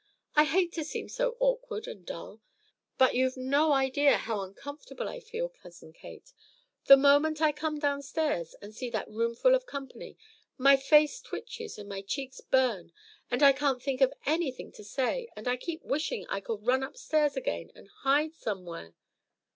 I hate to seem so awkward and dull. But you've no idea how uncomfortable I feel, Cousin Kate. The moment I come downstairs and see that roomful of company, my face twitches and my cheeks burn, and I can't think of anything to say, and I keep wishing I could run upstairs again and hide somewhere."